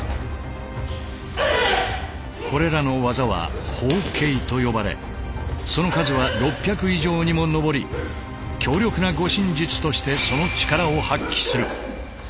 これらの技は「法形」と呼ばれその数は６００以上にも上り強力な護身術としてその力を発揮する。